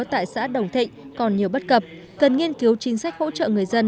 tại xã đồng thịnh còn nhiều bất cập cần nghiên cứu chính sách hỗ trợ người dân